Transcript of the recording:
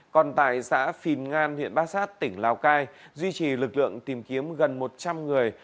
còn tại xã phìn ngan huyện bát sát tỉnh lào cai duy trì lực lượng tìm kiếm gần một trăm linh người